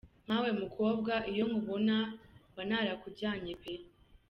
Nkawe mukobwa iyo nkubona mbanarakujyanye pe.